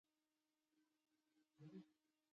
ډاکټر وویل: سمه ده، زه به ډاکټر والنتیني را وغواړم.